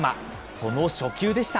その初球でした。